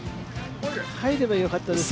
入ればよかったですよ。